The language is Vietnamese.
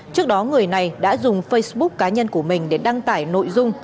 trước đó người này đã dùng facebook cá nhân của mình để đăng tải nội dung